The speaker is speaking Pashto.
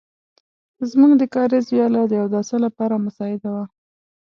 زموږ د کاریز وياله د اوداسه لپاره مساعده وه.